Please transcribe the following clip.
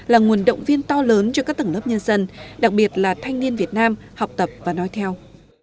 là nguồn động viên to lớn cho các tầng lớp nhân dân đặc biệt là thanh niên việt nam học tập và nói theo